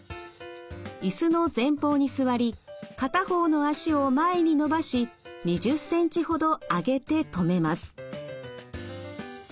椅子の前方に座り片方の脚を前に伸ばし２０センチほど上げて止めます。